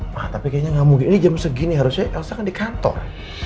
wah tapi kayaknya nggak mungkin ini jam segini harusnya elsa kan di kantor